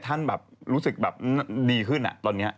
ท่านแบบรู้สึกแบบดีขึ้นตอนนี้